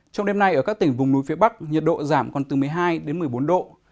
trong đêm nay ở các tỉnh vùng núi phía bắc nhiệt độ giảm còn từ một mươi hai đến một mươi bốn độ